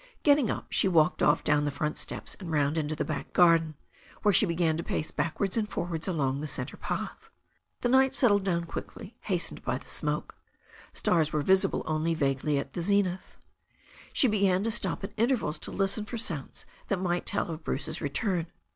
Getting up, she walked off down the front steps and round into the back garden, where she began to pace backwards and forwards along the centre path. The night settled down quickly, hastened by the smoke. Stars were visible only vaguely at the zenith. She began to stop at intervals to listen for sounds that might tell of Bruce's return.